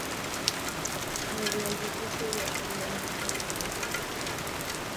kuna viazi lishe vya aina mbali mbali